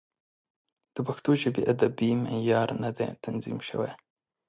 د پښتو ژبې ادبي معیار نه دی تنظیم شوی.